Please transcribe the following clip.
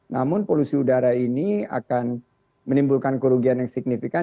namun polusi udara ini akan menimbulkan kerugian yang signifikan